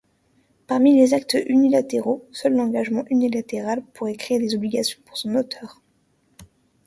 Parmi les actes unilatéraux, seul l’engagement unilatéral pourrait créer des obligations pour son auteur.